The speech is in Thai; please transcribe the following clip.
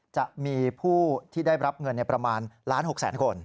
จะมีผู้ที่ได้รับเงินประมาณ๑๖๐๐๐๐๐คน